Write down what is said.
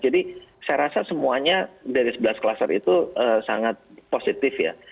jadi saya rasa semuanya dari sebelas klaster itu sangat positif ya